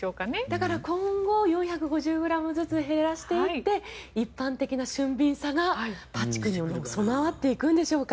だから、今後４５０ｇずつ減らしていって一般的な俊敏さがパッチ君にも備わっていくんでしょうか。